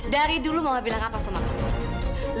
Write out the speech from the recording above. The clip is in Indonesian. dari dulu mama bilang apa sama kamu